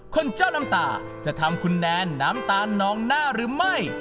เจ้าน้ำตาจะทำคุณแนนน้ำตาลนองหน้าหรือไม่